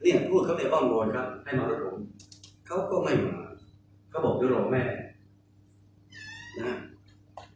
นี่ภูมิไม่เคาะได้บ้อมรอยครับให้มารถผมเขาก็ไม่ไหวนะค่ะเขาบอกจะรอแม่นะฮะ